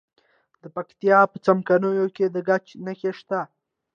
د پکتیا په څمکنیو کې د ګچ نښې شته.